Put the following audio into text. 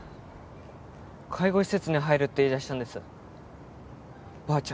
介護施設に入るって言い出したんですば